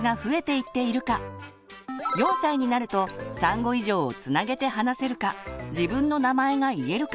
４歳になると３語以上をつなげて話せるか自分の名前が言えるか。